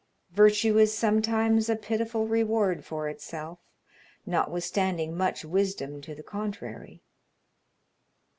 Virtue is sometimes a pitiful reward for itself, notwithstanding much wisdom to the contrary.